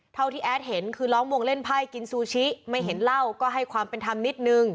เท่าที่แอดเห็นคือล้อมวงเล่นไพ่กินซูชิไม่เห็นเหล้าก็ให้ความเป็นธรรมนิดนึง